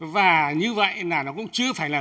và như vậy là nó cũng chưa phải là